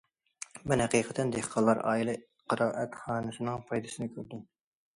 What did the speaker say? مەن ھەقىقەتەن دېھقانلار ئائىلە قىرائەتخانىسىنىڭ پايدىسىنى كۆردۈم.